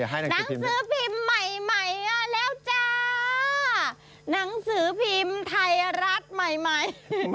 หนังสือพิมพ์ใหม่ใหม่แล้วจ้าหนังสือพิมพ์ไทยรัฐใหม่ใหม่